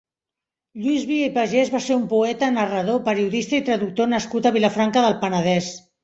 Lluís Via i Pagès va ser un poeta, narrador, periodista i traductor nascut a Vilafranca del Penedès.